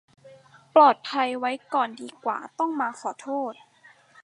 ปลอดภัยไว้ก่อนดีกว่าต้องมาขอโทษ